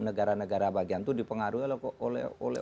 negara negara bagian itu dipengaruhi oleh